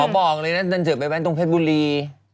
อ๋อบอกเลยนะดันเสือกแบบแว่นตรงเพชรบุรี